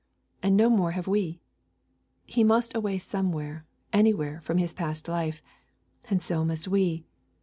And no more have we. He must away somewhere, anywhere, from his past life. And so must we.